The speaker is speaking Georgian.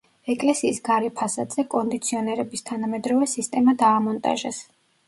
ეკლესიის გარე ფასადზე კონდიციონერების თანამედროვე სისტემა დაამონტაჟეს.